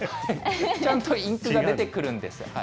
ちゃんとインクが出てくるんですよ。